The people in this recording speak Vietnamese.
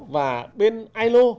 và bên ilo